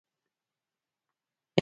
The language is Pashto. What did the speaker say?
نجلۍ د کورنۍ برکت ده.